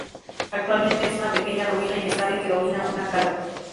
Actualmente es una pequeña ruina inestable que domina una cala.